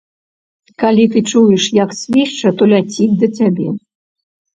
Калі ты чуеш, як свішча, то ляціць да цябе.